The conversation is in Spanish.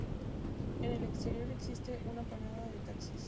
En el exterior existe una parada de taxis.